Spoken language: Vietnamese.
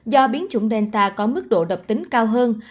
do biến chủng delta có mức độ độc tính cao hơn